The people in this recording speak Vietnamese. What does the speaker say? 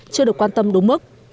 chưa được quan tâm đúng mức